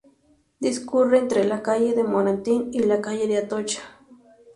Discurre entre la calle de Moratín y la calle de Atocha.